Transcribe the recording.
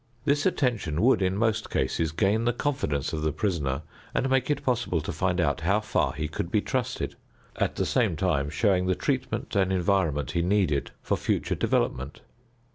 This attention would in most cases gain the confidence of the prisoner and make it possible to find out how far he could be trusted, at the same time showing the treatment and environment he needed for future development.